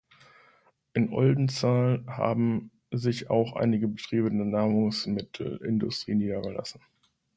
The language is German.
In Oldenzaal haben sich auch einige Betriebe der Nahrungsmittelindustrie niedergelassen.